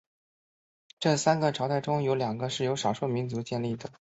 这三个朝代中有两个是由少数民族建立的。